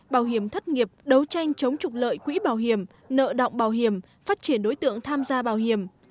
bảo hiểm thất nghiệp đấu tranh chống trục lợi quỹ bảo hiểm nợ động bảo hiểm phát triển đối tượng tham gia bảo hiểm